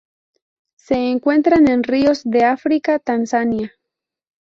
Se encuentran en ríos de África:Tanzania.